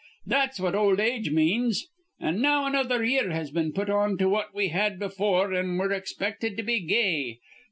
That's what old age means; an' now another year has been put on to what we had befure, an' we're expected to be gay.